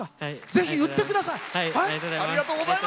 ぜひ言ってください。